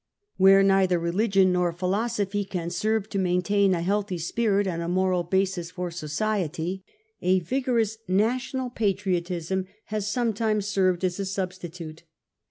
Where neither religion nor philosoj)hy can serve to maintain a healthy spirit and a moral basis for society, a vigorous national patriotism has sometimes served as a substitute.